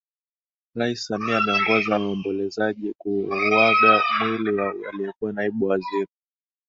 Rais Samia ameongoza waombolezaji kuuaga mwili wa aliyekuwa Naibu Waziri